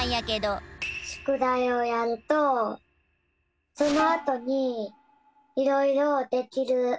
しゅくだいをやるとそのあとにいろいろできる。